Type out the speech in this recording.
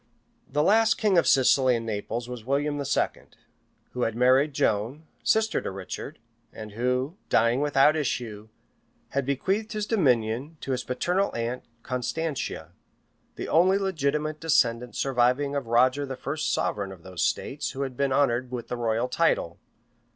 The last king of Sicily and Naples was William II., who had married Joan, sister to Richard, and who, dying without issue, had bequeathed his dominions to his paternal aunt Constantia, the only legitimate descendant surviving of Roger the first sovereign of those states who had been honored with the royal title.